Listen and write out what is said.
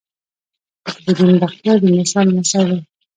قطب الدین بختیار د موسی لمسی دﺉ.